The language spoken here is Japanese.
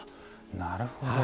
なるほど。